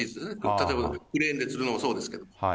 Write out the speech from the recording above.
例えばクレーンでつるのもそうですけど。